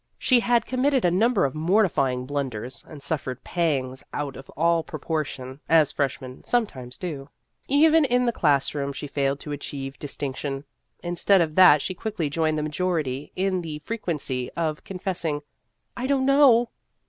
She had com mitted a number of mortifying blunders, and suffered pangs out of all proportion as freshmen sometimes do. Even in the class room she failed to achieve dis tinction ; instead of that she quickly joined the majority in the frequency of confess ing, '' I don't know."